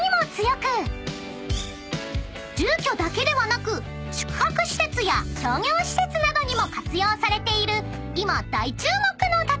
［住居だけではなく宿泊施設や商業施設などにも活用されている今大注目の建物なんです］